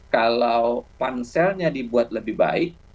kalau panselnya dibuat lebih baik